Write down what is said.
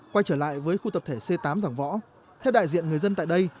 quay trở lại với khu tập thể c tám giảng võ theo đại diện người dân tại đây